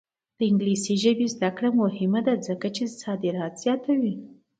د انګلیسي ژبې زده کړه مهمه ده ځکه چې صادرات زیاتوي.